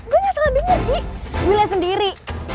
gue gak salah denger ki gue lihat sendiri